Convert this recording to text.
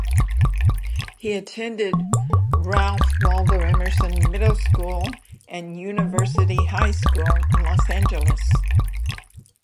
He attended Ralph Waldo Emerson Middle School and University High School in Los Angeles.